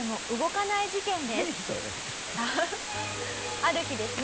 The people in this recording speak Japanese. ある日ですね